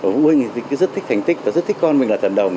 phụ huynh rất thích thành tích và rất thích con mình là thần đồng